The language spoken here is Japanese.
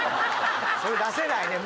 それ出せないね